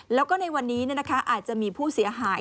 แล้วก็ในวันนี้อาจจะมีผู้เสียหาย